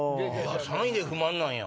３位で不満なんや。